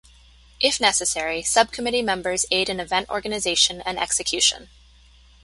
If necessary, Subcommittee members aid in event organization and execution.